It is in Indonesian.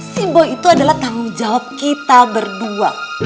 si boy itu adalah tanggung jawab kita berdua